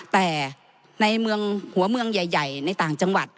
แต่ในเมืองหัวเมืองใหญ่ในต่างจังหวัด